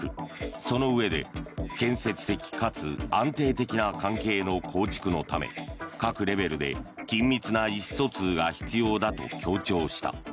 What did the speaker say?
そのうえで、建設的かつ安定的な関係の構築のため各レベルで緊密な意思疎通が必要だと強調した。